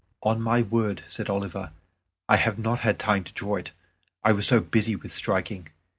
"On my word," said Oliver, "I have not had time to draw it; I was so busy with striking."